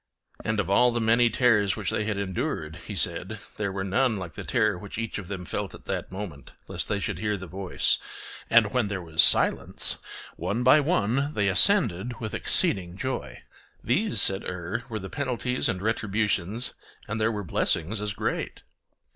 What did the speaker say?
And of all the many terrors which they had endured, he said that there was none like the terror which each of them felt at that moment, lest they should hear the voice; and when there was silence, one by one they ascended with exceeding joy. These, said Er, were the penalties and retributions, and there were blessings as great.